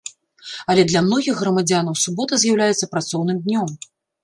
Але для многіх грамадзянаў субота з'яўляецца працоўным днём.